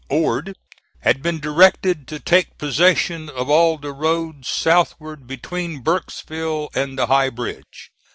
Ord had been directed to take possession of all the roads southward between Burkesville and the High Bridge.